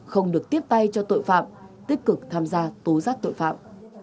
không được tiếp tay cho tội phạm tích cực tham gia tố giác tội phạm